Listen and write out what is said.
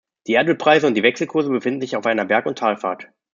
Die Erdölpreise und die Wechselkurse befinden sich auf einer Berg-und-Talfahrt.